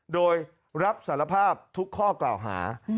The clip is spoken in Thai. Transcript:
โดยรับสารภาพทุกข้อกล่าวหา